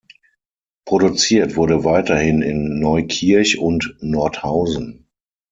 Produziert wurde weiterhin in Neukirch und Nordhausen.